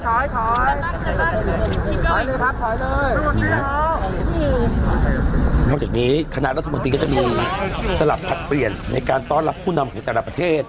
ขายเลยครับขายเลยนอกจากนี้คณะรัฐบาลตีนก็จะมีสลับผลักเปลี่ยนในการต้อนรับผู้นำของแต่ละประเทศ